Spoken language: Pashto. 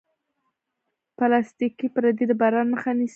پلاستيکي پردې د باران مخه نیسي.